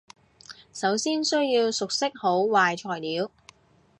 首先需要熟悉好壞資料